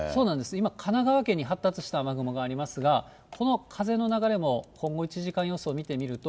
今、神奈川県に発達した雨雲がありますが、この風の流れも、今後１時間予想見てみると。